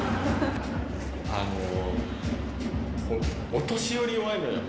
あのー、お年寄り、弱いのよ。